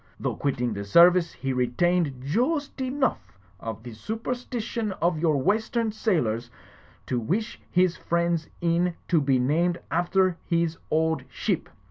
Though quitting the service, he retained joost enough of the superstition of your western sailors, to wish his friend's inn to be named after his old ship.